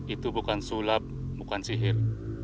itu bukan sulap bukan sihir